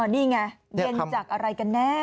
นี่ไงเย็นจากอะไรกันแน่